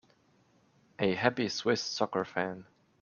A happy Swiss soccer fan.